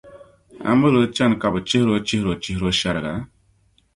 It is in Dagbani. a mali o chani ka bɛ chibiri’ o chihiro-chihiro shɛriga.